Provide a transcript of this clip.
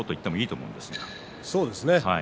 そうですね。